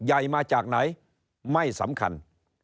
ใหญ่มาจากไหนไม่สำคัญ